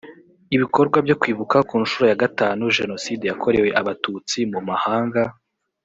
ibikorwa byo kwibuka ku nshuro ya gatanu jenoside yakorewe abatutsi mu mahanga